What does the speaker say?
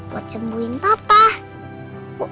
buat sembuhin bapak